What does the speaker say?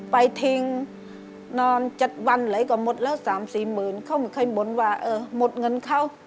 ไปทิ้งนอน๗วันไหลก็หมดแล้ว๓๔หมื่นเขาไม่เคยบ่นว่าเออหมดเงินเขา